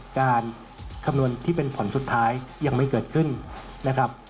คำนวณที่เป็นผลสุดท้ายยังไม่เกิดขึ้นนะครับ